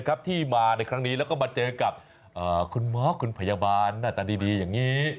กับคุณหมอคุณพยาบาลหน้าตาดีอย่างนี้